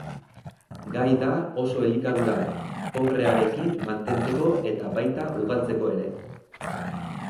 Gai da oso elikadura pobrearekin mantentzeko eta baita ugaltzeko ere.